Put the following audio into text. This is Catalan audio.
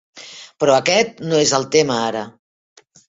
Però aquest no és el tema ara.